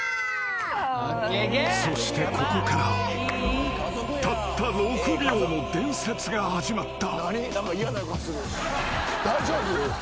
［そしてここからたった６秒の伝説が始まった］